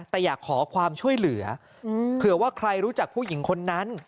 แต่อยากขอความช่วยเหลือเผื่อว่าใครรู้จักผู้หญิงคนนั้น